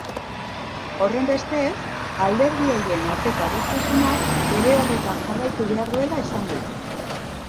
Horrenbestez, alderdi horien arteko adostasunak bere horretan jarraitu behar duela esan du.